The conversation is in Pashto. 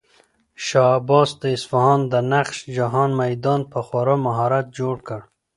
شاه عباس د اصفهان د نقش جهان میدان په خورا مهارت جوړ کړ.